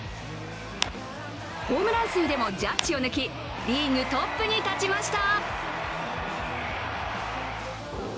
ホームラン数でもジャッジを抜きリーグトップに立ちました。